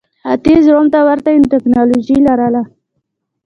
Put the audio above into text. ختیځ روم ته ورته ټکنالوژي لرله.